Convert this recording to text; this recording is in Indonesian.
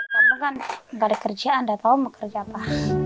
karena kan tidak ada kerja anda tahu mau kerja apa